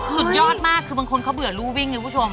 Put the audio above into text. สุดยอดมากคือบางคนเขาเบื่อลูวิ่งไงคุณผู้ชม